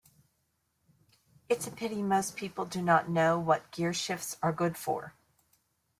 It's a pity most people do not know what gearshifts are good for.